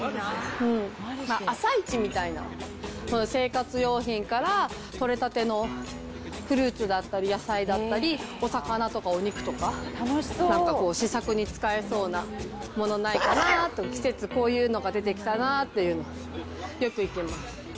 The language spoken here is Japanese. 朝市みたいな、生活用品から取れたてのフルーツだったり野菜だったり、お魚とか、お肉とか、なんかこう、試作に使えそうなものないかなぁって、季節、こういうのが出てきたなっていうので、よく行きます。